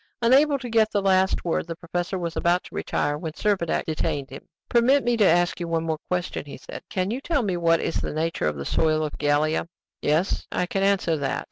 Unable to get the last word, the professor was about to retire, when Servadac detained him. "Permit me to ask you one more question," he said. "Can you tell me what is the nature of the soil of Gallia?" "Yes, I can answer that.